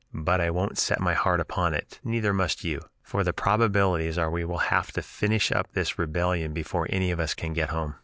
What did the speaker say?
But I won't set my heart upon it, neither must you, for the probabilities are we will have to finish up this rebellion before any of us can get home.